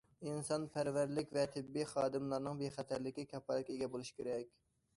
ئىنسانپەرۋەرلىك ۋە تېببىي خادىملارنىڭ بىخەتەرلىكى كاپالەتكە ئىگە بولۇشى كېرەك.